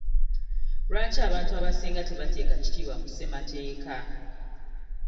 Lwaki abantu abasinga tebateeka kitiibwa mu ssemateeka?